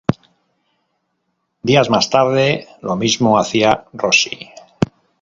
Días más tarde, lo mismo hacía Rossi.